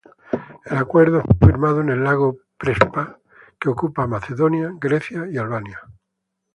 El acuerdo fue firmado en el lago Prespa, que ocupa Macedonia, Grecia y Albania.